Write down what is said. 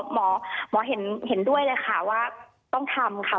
หมอหมอเห็นด้วยเลยค่ะว่าต้องทำค่ะ